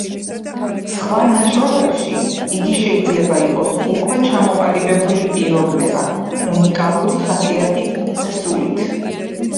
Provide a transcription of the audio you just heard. სხვა ნაშრომებში იგი შეიძლება იყოს უკვე ჩამოყალიბებული პიროვნება, უნიკალური ხასიათით და სულით.